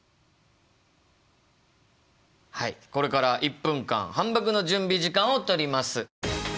はいこれから１分間反ばくの準備時間を取ります。